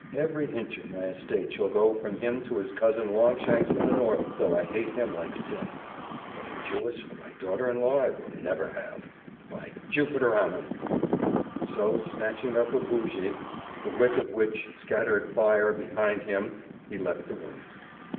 Every inch of my estate shall go from him to his cousin Longshanks in the North, though I hate him like sin. But a Jewess for my daughter in law I will never have by Jupiter Ammon!" So snatching up a bougie, the wick of which scattered fire behind him, he left the room.